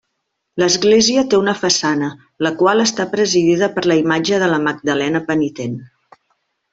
L'església té una façana, la qual està presidida per la imatge de la Magdalena penitent.